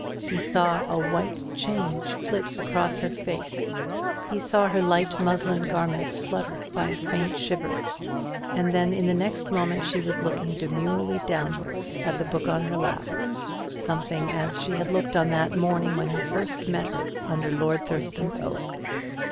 He saw a white change flit across her face; he saw her light muslin garments fluttered by a faint shiver; and then in the next moment she was looking demurely downwards at the book on her lap, something as she had looked on that morning when he first met her under Lord Thurston's oak.